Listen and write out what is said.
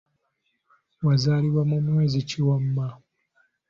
Wazaalibwa mu mwezi ki wamma?